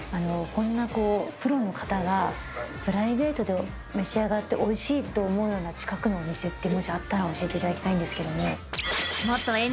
こんなプロの方がプライベートで召し上がっておいしいと思うような近くのお店ってもしあったら教えていただきたいんですけども。